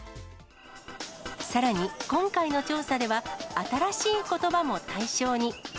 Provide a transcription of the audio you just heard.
さらに、今回の調査では、新しいことばも対象に。